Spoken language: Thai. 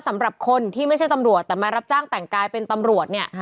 สำหรับคนที่ไม่ใช่ตำรวจแต่มารับจ้างแต่งกายเป็นตำรวจเนี่ย